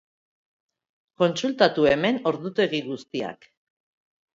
Kontsultatu hemen ordutegi guztiak.